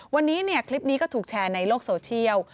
วันนี้คลิปนี้ก็ถูกแชร์ในโลกโซเชียล